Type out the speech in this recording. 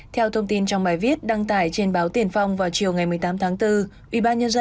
theo thông tin trong bài viết đăng tải trên báo tiền phong vào chiều ngày một mươi tám tháng bốn ubnd